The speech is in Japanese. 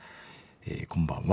「こんばんは」。